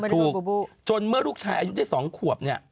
ถูกจนเมื่อลูกชายอายุได้๒ขวบเนี่ย